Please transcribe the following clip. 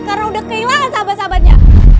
karena udah kehilangan sahabat sahabatnya